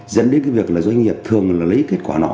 dẫn đến cái việc là doanh nghiệp thường là lấy kết quả nó